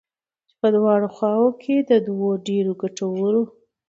چې په دواړو خواوو كې د دوو ډېرو گټورو